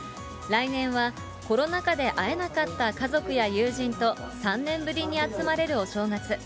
来年はコロナ禍で会えなかった家族や友人と３年ぶりに集まれるお正月。